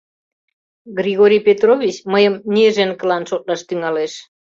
Григорий Петрович мыйым неженкылан шотлаш тӱҥалеш.